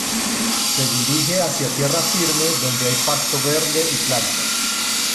Se dirige hacia tierra firme donde hay pasto verde y plantas.